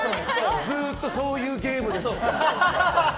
ずっとそういうゲームです。